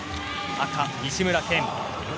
赤、西村拳。